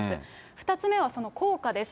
２つ目は効果です。